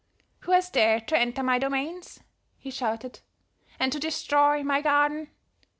"'Who has dared to enter my domains?' he shouted. 'And to destroy my garden?